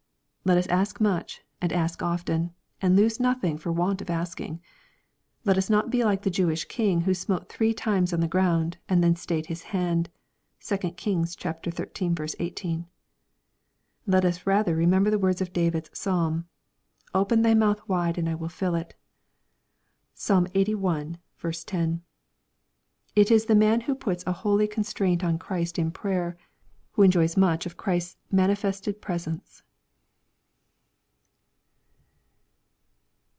Let us ask much, and ask often, and lose nothing for want of asking. Let us not be like the Jewish king who smote three times on the ground, and then stayed his hand. (2 Kings xiii. 18.) Let us rather remember the words of David's Psalm, " Open thy mouth wide and I will fill it." (Psal. IxxxL 10) It is the man who puts a holy constraint on Christ in prayer, who enjoys much of Christ's manifested pres ence.